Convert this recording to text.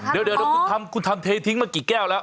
เดี๋ยวคุณทำเททิ้งมากี่แก้วแล้ว